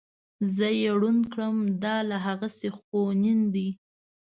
زه یې ړوند کړم دا لا هغسې خونین دی.